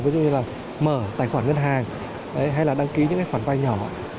ví dụ như mở tài khoản ngân hàng hay là đăng ký những khoản vai nhỏ